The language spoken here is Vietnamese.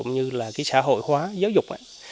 như là cái xã hội hóa giáo dục ấy